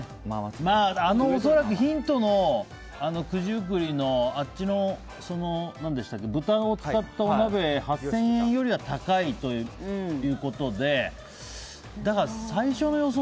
恐らくヒントの九十九里の豚を使ったお鍋８０００円よりは高いということでだから、最初の予想